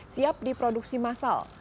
siap diproduksi masal